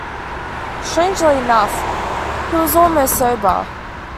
Strangely enough, he was almost sober.